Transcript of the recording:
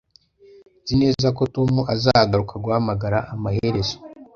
Nzi neza ko Tom azagaruka guhamagara amaherezo